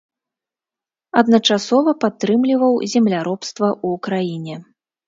Адначасова падтрымліваў земляробства ў краіне.